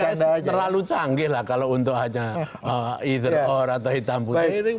saya kira pks terlalu canggih lah kalau untuk hanya either or atau hitam putih